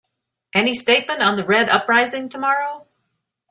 Any statement on the Red uprising tomorrow?